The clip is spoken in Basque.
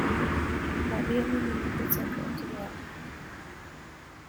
Larrialdi medikotzat hartu behar da.